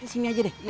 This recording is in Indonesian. sini aja deh